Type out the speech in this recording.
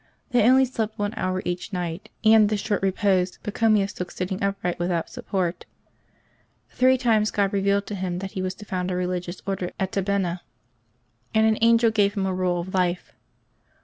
They only slept one hour each night, and this short repose Pachomius took sitting upright with out support. Three times God revealed to him that he was to found a religious order at Tabenna ; and an angel gave him a rule of life.